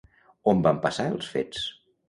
On van passar els fets?